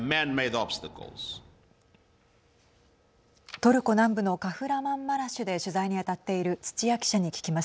トルコ南部のカフラマンマラシュで取材に当たっている土屋記者に聞きます。